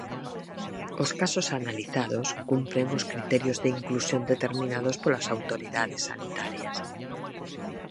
Os casos analizados cumpren os criterios de inclusión determinados polas autoridades sanitarias.